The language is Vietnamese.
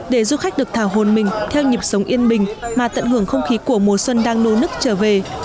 để du khách được thảo hồn mình theo nhịp sống yên bình mà tận hưởng không khí của mùa xuân đang nô nức trở về